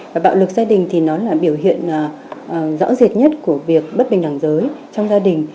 và bạo lực gia đình thì nó là biểu hiện rõ rệt nhất của việc bất bình đẳng giới trong gia đình